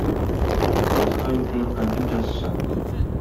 Башка өлкөлөр кантип жашашат?